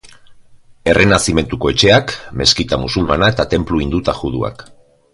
Errenazimentuko etxeak, meskita musulmana eta tenplu hindu eta juduak.